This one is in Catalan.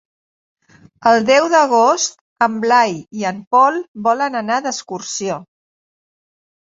El deu d'agost en Blai i en Pol volen anar d'excursió.